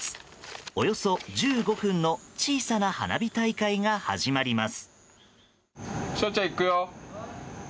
およそ１５分の小さな花火大会が始まります。